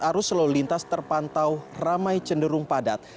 arus lalu lintas terpantau ramai cenderung padat